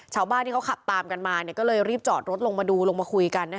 ชาวบ้านที่เขาขับตามกันมาก็เลยรีบจอดรถลงมาดูลงมาคุยกัน